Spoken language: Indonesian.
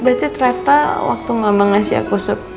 berarti terepa waktu mama ngasih aku